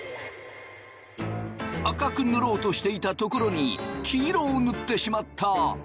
赤く塗ろうとしていたところに黄色を塗ってしまった。